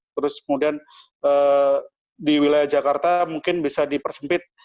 terus kemudian di wilayah jakarta mungkin bisa dipersempit